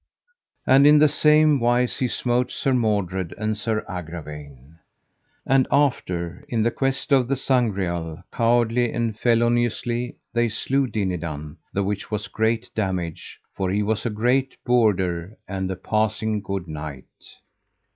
And in the same wise he smote Sir Mordred and Sir Agravaine. And after, in the quest of the Sangreal, cowardly and feloniously they slew Dinadan, the which was great damage, for he was a great bourder and a passing good knight.